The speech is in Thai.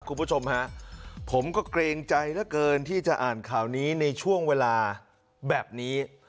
คุณผู้ชมฮะผมก็เกรงใจเหลือเกินที่จะอ่านข่าวนี้ในช่วงเวลาแบบนี้